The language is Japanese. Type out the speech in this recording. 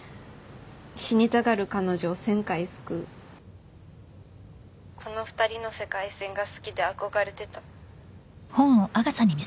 「死にたがる彼女を１０００回救う」「この２人の世界線が好きで憧れてた」